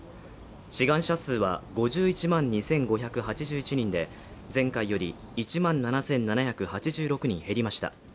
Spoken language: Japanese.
志願者数は５１万２５８１人で前回より１万７７８６人減りました